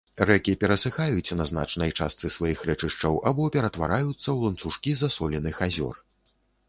Рэкі перасыхаюць на значнай частцы сваіх рэчышчаў або ператвараюцца ў ланцужкі засоленых азёр.